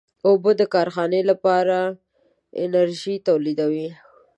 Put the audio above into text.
اوبه د کارخانې لپاره انرژي تولیدوي.